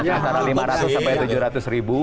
antara lima ratus sampai tujuh ratus ribu